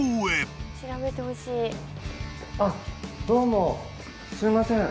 あっどうもすいません。